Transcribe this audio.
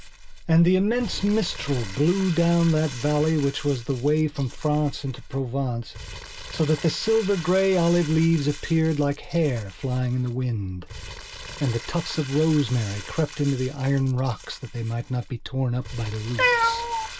And the immense mistral blew down that valley which was the way from France into Provence so that the silver grey olive leaves appeared like hair flying in the wind, and the tufts of rosemary crept into the iron rocks that they might not be torn up by the roots.